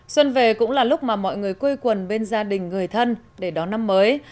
xuân về cũng là lúc mà mọi người quây quần bên gia đình người thân để đón năm mới